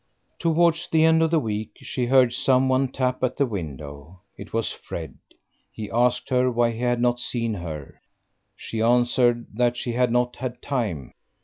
Towards the end of the week she heard some one tap at the window; it was Fred. He asked her why he had not seen her; she answered that she had not had time.